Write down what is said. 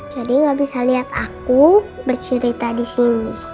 jadi gak bisa liat aku bercerita disini